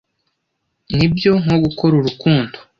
nibyo nko gukora urukundo